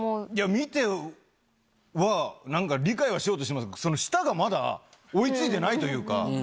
見ては、なんか、理解はしようとしてますけど、その舌がまだ追いついてないというか。